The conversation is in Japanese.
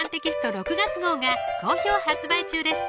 ６月号が好評発売中です